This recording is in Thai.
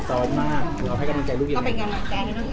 ก็เป็นกำหนดใจให้น้องอาร์ม